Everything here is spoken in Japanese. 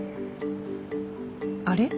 あれ？